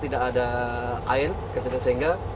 tidak ada air sehingga